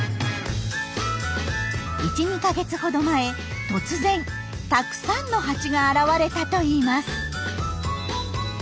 １２か月ほど前突然たくさんのハチが現れたといいます。